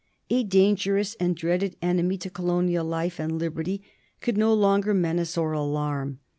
A dangerous and dreaded enemy to colonial life and liberty could no longer menace or alarm.